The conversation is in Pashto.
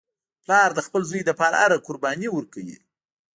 پلار د خپل زوی لپاره هره قرباني ورکوي